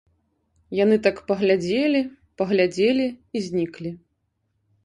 Яны так паглядзелі, паглядзелі і зніклі.